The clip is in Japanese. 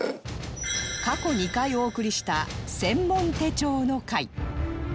過去２回お送りした専門手帳の回